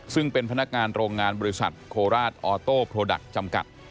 ซึ่งเป็นพนักงานโรงงานบริษัทโคราชออโต้โปรดักต์จำกัด